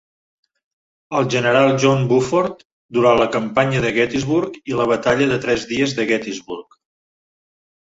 El general John Buford durant la campanya de Gettysburg i la batalla de tres dies de Gettysburg.